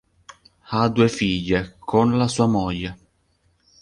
Ha due figlie con la sua moglie.